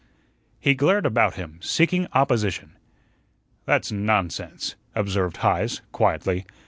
He glared about him, seeking opposition. "That's nonsense," observed Heise, quietly.